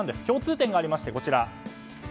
共通点がありましてこちら。